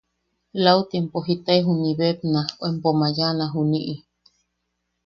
Lauti empo jitae juniʼi bekna o empo mayaʼana juniʼi...